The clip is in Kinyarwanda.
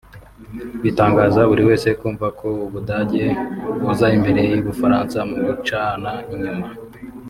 Bitangaza buri wese kumva ko u Budage buza imbere y’u Bufaransa mu gucana inyuma